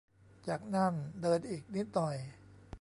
จากนั่นเดินอีกนิดหน่อย